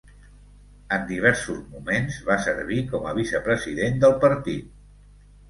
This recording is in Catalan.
En diversos moments, va servir com vicepresident del partit.